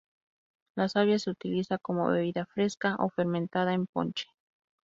La savia se utiliza como bebida fresca o fermentada en ponche.